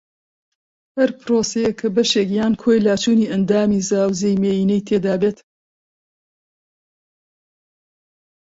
ھەر پرۆسەیەک کە بەشێک یان کۆی لاچوونی ئەندامی زاوزێی مێینەی تێدا بێت